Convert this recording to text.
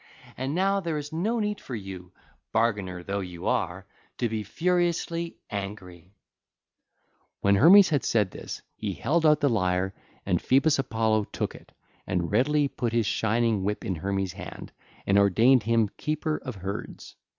And now there is no need for you, bargainer though you are, to be furiously angry.' (ll. 496 502) When Hermes had said this, he held out the lyre: and Phoebus Apollo took it, and readily put his shining whip in Hermes' hand, and ordained him keeper of herds.